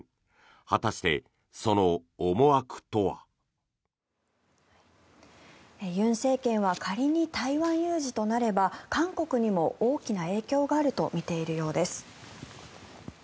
果たして、その思惑とは。尹政権は仮に台湾有事となれば韓国にも大きな影響があるとみているようです。